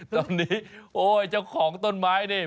ตอนนี้โอ้ยเจ้าของต้นไม้นี่